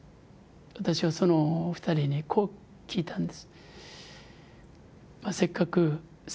私はその２人にこう聞いたんです。